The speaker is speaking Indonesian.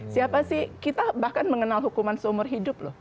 siapa sih kita bahkan mengenal hukuman seumur hidup loh